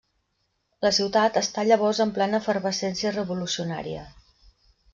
La ciutat està llavors en plena efervescència revolucionària.